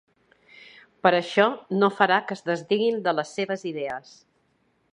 Però això no farà que es desdiguin de les seves idees.